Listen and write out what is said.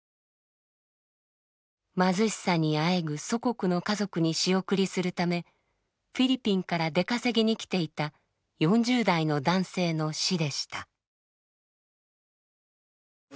貧しさにあえぐ祖国の家族に仕送りするためフィリピンから出稼ぎに来ていた４０代の男性の死でした。